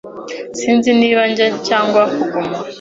Sinzi niba njya cyangwa kuguma.